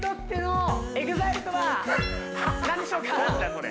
これ